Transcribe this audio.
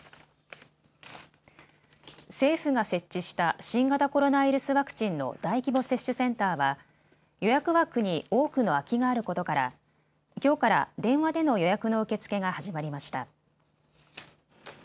政府が設置した新型コロナウイルスワクチンの大規模接種センターは予約枠に多くの空きがあることからきょうから電話での予約の受け付けが始まりました。